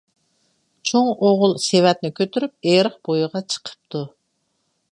چوڭ ئوغۇل سېۋەتنى كۆتۈرۈپ ئېرىق بويىغا چىقىپتۇ،